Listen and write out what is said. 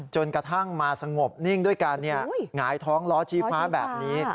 จนกระทั่งมาสงบนิ่งด้วยการหงายท้องล้อชี้ฟ้าแบบนี้